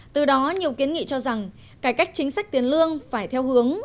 từ đó nhiều kiến nghị cho rằng cải cách chính sách tiền lương phải theo hướng